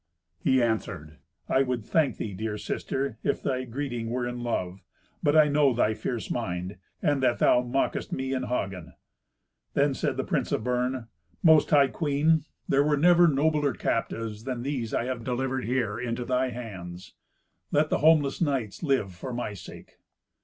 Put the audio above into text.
He answered, "I would thank thee, dear sister, if thy greeting were in love. But I know thy fierce mind, and that thou mockest me and Hagen." Then said the prince of Bern, "Most high queen, there were never nobler captives than these I have delivered here into thy hands. Let the homeless knights live for my sake."